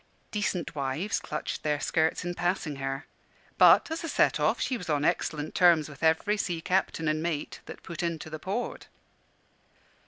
Decent wives clutched their skirts in passing her: but, as a set off, she was on excellent terms with every sea captain and mate that put into the port.